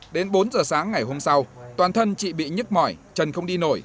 đến bốn giờ sáng ngày hôm sau toàn thân chị bị nhức mỏi chân không đi nổi